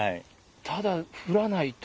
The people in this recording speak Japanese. ただ、降らないと？